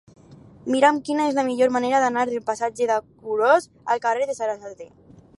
Mira'm quina és la millor manera d'anar del passatge d'Argullós al carrer de Sarasate.